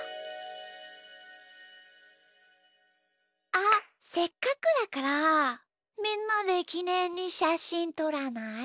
あっせっかくだからみんなできねんにしゃしんとらない？